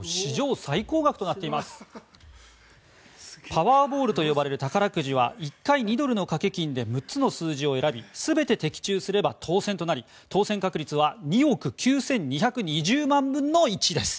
パワーボールと呼ばれる宝くじは１回２ドルの掛け金で６つの数字を選び全て的中すれば当選となり当選確率は２億９２２０万分の１です。